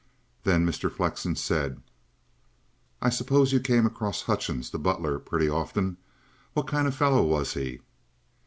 Then Mr. Flexen said: "I suppose you came across Hutchings, the butler, pretty often. What kind of a fellow was he?"